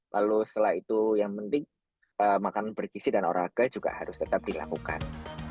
lalu setelah itu yang penting makanan bergisi dan olahraga juga harus tetap dilakukan